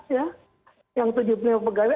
ya yang tujuh peniap pegawai